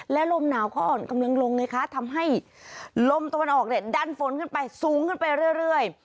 และลมหนาวก็อ่อนกำลังลงไงคะทำให้ลมตะวันออกเนี่ยดันฝนขึ้นไปสูงขึ้นไปเรื่อย